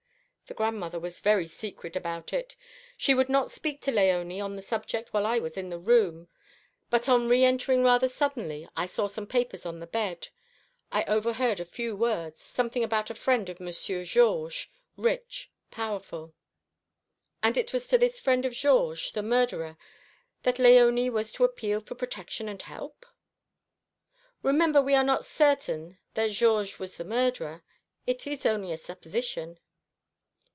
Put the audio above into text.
The grandmother was very secret about it. She would not speak to Léonie on the subject while I was in the room, but on reëntering rather suddenly I saw some papers on the bed. I overheard a few words something about a friend of Monsieur Georges, rich, powerful." "And it was to this friend of Georges, the murderer, that Léonie was to appeal for protection and help?" "Remember we are not certain that Georges was the murderer. It is only a supposition."